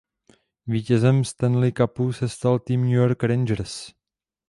Vítězem Stanley Cupu se stal tým New York Rangers.